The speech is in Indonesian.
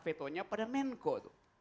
vetonya pada menko itu